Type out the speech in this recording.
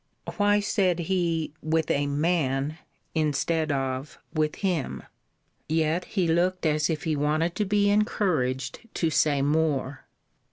Why said he with a man, instead of with him? Yet he looked as if he wanted to be encouraged to say more.